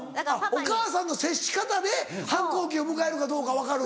お母さんの接し方で反抗期を迎えるかどうか分かる。